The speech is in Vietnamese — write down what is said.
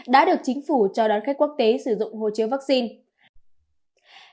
đã được chính phủ cho đón khách quốc tế sử dụng hộ chiếu vaccine